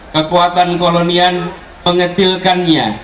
kekuatan kolonial mengecilkannya